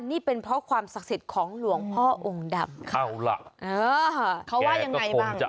นี่เป็นเพราะความศักดิ์เสร็จของหลวงพ่อองค์ดำ